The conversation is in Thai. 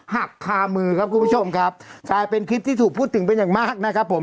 หักคามือครับคุณผู้ชมครับกลายเป็นคลิปที่ถูกพูดถึงเป็นอย่างมากนะครับผม